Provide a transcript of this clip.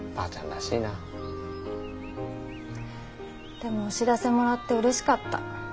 でもお知らせもらってうれしかった。